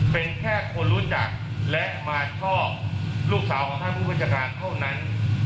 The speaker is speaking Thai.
เป็นแค่คนรู้จักและมาชอบลูกสาวของท่านผู้บัญชาการเท่านั้น